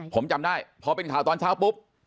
ผมจำได้พอเป็นข่าวตอนเช้าปุ๊บ